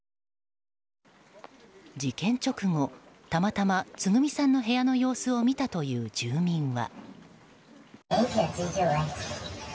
事件直後、たまたまつぐみさんの部屋の様子を見たという住民は。